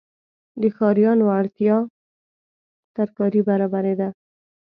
د ښاریانو اړتیاوړ ترکاري برابریدله.